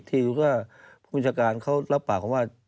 ทีนี้ก็ผู้จัดการเขารับปากว่า